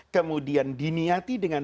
kemudian diniati dengan